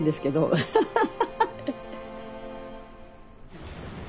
アハハハハ！